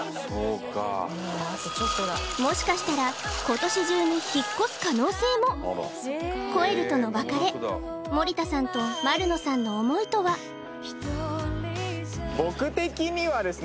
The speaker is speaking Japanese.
もしかしたら今年中に引っ越す可能性もコエルとの別れ盛田さんと丸野さんの思いとは僕的にはですね